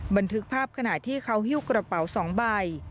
บันทึกภาพขณะที่เขาฮิ้วกระเป๋า๒ใบ